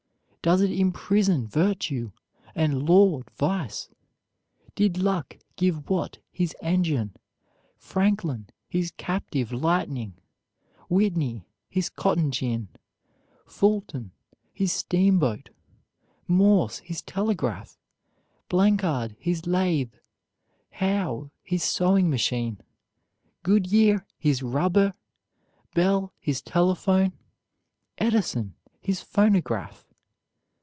Does it imprison virtue, and laud vice? Did luck give Watt his engine, Franklin his captive lightning, Whitney his cotton gin, Fulton his steamboat, Morse his telegraph, Blanchard his lathe, Howe his sewing machine, Goodyear his rubber, Bell his telephone, Edison his phonograph?